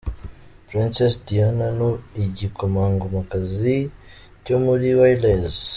Princess Diana: ni igikomangomakazi cyo muri Wales.